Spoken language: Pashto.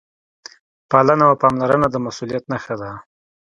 پالنه او پاملرنه د مسؤلیت نښه ده.